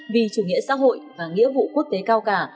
vì chủ nghĩa xã hội và nghĩa vụ quốc tế cao cả